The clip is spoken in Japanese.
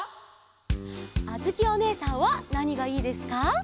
あづきおねえさんはなにがいいですか？